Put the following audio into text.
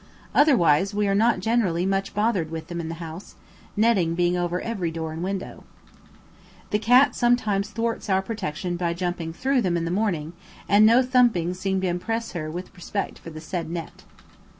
Otherwise, we are not generally much bothered with them in the house, netting being over every door and window. The cat sometimes thwarts our protection by jumping through them in the morning, and no thumpings seem to impress her with respect for the said net.